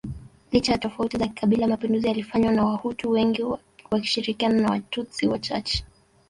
licha ya tofauti za kikabila mapinduzi yalifanywa na Wahutu wengi wakishirikiana na Watutsi wachache